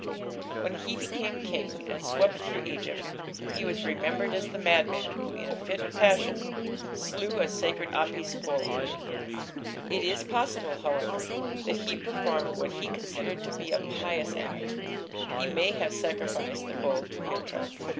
When he became king, and swept through Egypt, he was remembered as the madman who in a fit of passion slew a sacred Apis bull. It is possible, however, that he performed what he considered to be a pious act: he may have sacrificed the bull to Mithra.